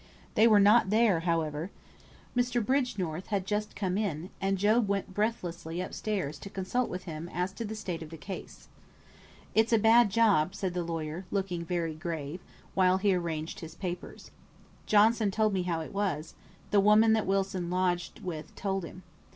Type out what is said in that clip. They were not there, however. Mr. Bridgenorth had just come in, and Job went breathlessly up stairs to consult with him as to the state of the case. "It's a bad job," said the lawyer, looking very grave, while he arranged his papers. "Johnson told me how it was; the woman that Wilson lodged with told him.